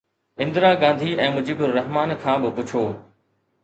اندرا گانڌي ۽ مجيب الرحمان کان به پڇو